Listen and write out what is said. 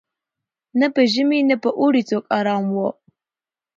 نه په ژمي نه په اوړي څوک آرام وو